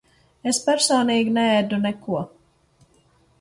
Es personīgi neēdu neko.